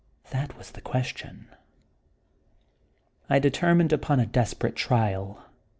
That was the question. I determined upon a desperate trial.